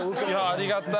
ありがたい。